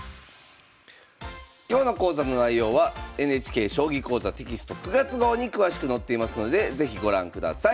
今日の講座の内容はＮＨＫ「将棋講座」テキスト９月号に詳しく載っていますので是非ご覧ください。